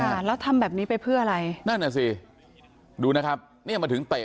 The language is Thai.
ค่ะแล้วทำแบบนี้ไปเพื่ออะไรนั่นน่ะสิดูนะครับเนี่ยมาถึงเตะ